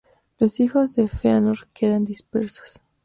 Los hijos de Fëanor quedan dispersos.